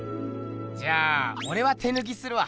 じゃあおれは手ぬきするわ。